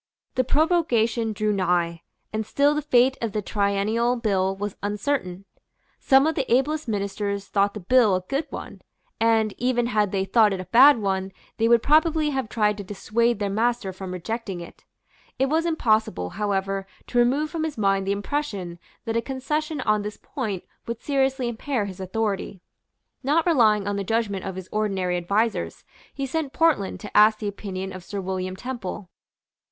The prorogation drew nigh; and still the fate of the Triennial Bill was uncertain. Some of the ablest ministers thought the bill a good one; and, even had they thought it a bad one, they would probably have tried to dissuade their master from rejecting it. It was impossible, however, to remove from his mind the impression that a concession on this point would seriously impair his authority. Not relying on the judgment of his ordinary advisers, he sent Portland to ask the opinion of Sir William Temple.